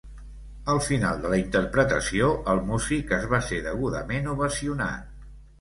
Al final de la interpretació, el músic es va ser degudament ovacionat.